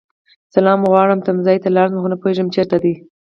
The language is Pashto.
سلام غواړم تمځای ته لاړشم خو نه پوهيږم چیرته دی